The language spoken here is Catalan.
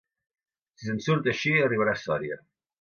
Si se'n surt així arribarà a Sòria.